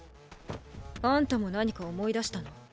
あんたも何か思い出したの？